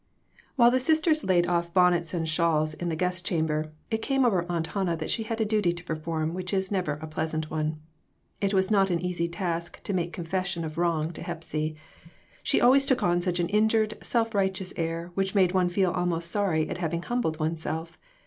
WHILE the sisters laid off bonnets and shawls in the guest chamber it came over Aunt Hannah that she had a duty to per form which is never a pleasant one. It was not an easy task to make confession of wrong to Hepsy ; she always took on such an injured, self righteous air which made one feel almost sorry at having humbled one's self.